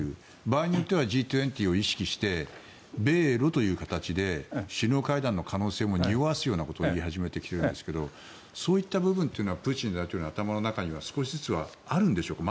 場合によってはＧ２０を意識して米ロという形で首脳会談の可能性もにおわすようなことも言い始めていたんですけどそういった部分はプーチン大統領の頭の中には少しずつはあるんでしょうか。